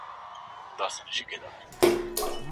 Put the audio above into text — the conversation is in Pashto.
حقونه یوازي په کاغذ باندي د لیکلو لپاره نه دي.